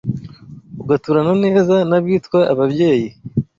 Ugaturana neza N’abitwa ababyeyi!